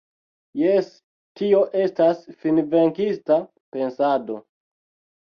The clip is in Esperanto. Jes, tio estas finvenkista pensado.